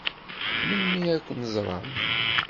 Melmi ad ken-ẓṛen?